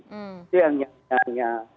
itu yang nyatanya